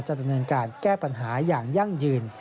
ดำเนินการแก้ปัญหาอย่างยั่งยืน